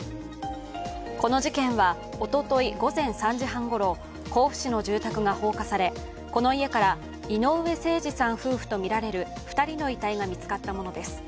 この事件はおととい午前３時半ごろ、甲府市の住宅が放火されこの家から井上盛司さん夫婦とみられる２人の遺体が見つかったものです。